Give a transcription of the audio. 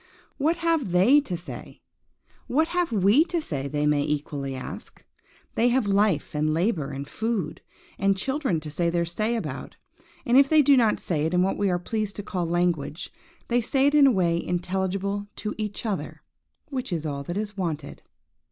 What have they to say?–What have we to say, they may equally ask. They have life, and labour, and food, and children to say their say about; and if they do not say it in what we are pleased to call language, they say it in a way intelligible to each other, which is all that is wanted.